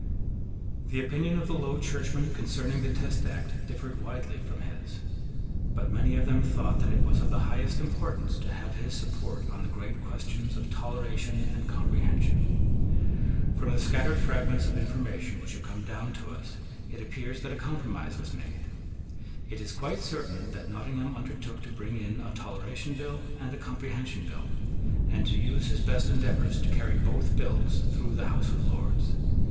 The opinion of the Low Churchmen concerning the Test Act differed widely from his. But many of them thought that it was of the highest importance to have his support on the great questions of Toleration and Comprehension. From the scattered fragments of information which have come down to us, it appears that a compromise was made. It is quite certain that Nottingham undertook to bring in a Toleration Bill and a Comprehension Bill, and to use his best endeavours to carry both bills through the House of Lords.